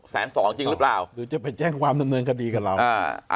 แสน๒จริงหรือเปล่าหรือจะไปแจ้งความเงินกับดีกับเรา